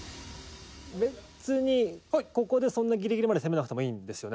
別にここでそんなギリギリまで攻めなくてもいいんですよね？